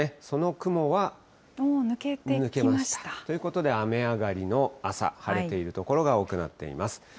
その雲は。ということで雨上がりの朝、晴れている所が多くなっています。